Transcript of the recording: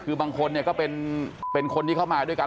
คือบางคนเนี่ยก็เป็นคนที่เข้ามาด้วยกัน